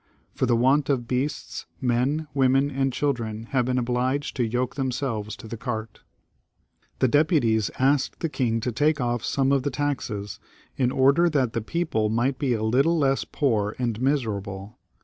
For the want of beasts, men, women, and children have been obliged to yoke themselves to the cart.*' The deputies asked the king to take off some of the taxes, in order that the people might be a little less poor and miserable.